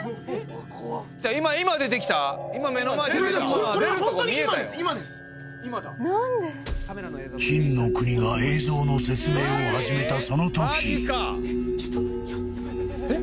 ・ホントだ金の国が映像の説明を始めたその時え？